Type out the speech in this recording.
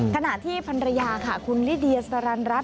ขณะที่ภรรยาค่ะคุณลิเดียสรรรัฐ